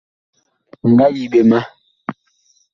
Mi nga yi ɓe ma.